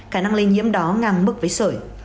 khả năng lây nhiễm đó ngang mực với sợi